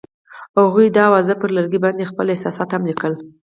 هغوی د اواز پر لرګي باندې خپل احساسات هم لیکل.